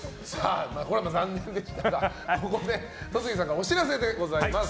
これは残念でしたがここで戸次さんからお知らせでございます。